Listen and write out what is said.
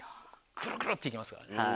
くるくる！っていきますからね。